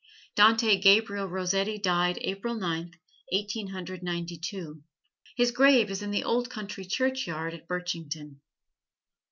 Dante Gabriel Rossetti died April Ninth, Eighteen Hundred Ninety two. His grave is in the old country churchyard at Birchington.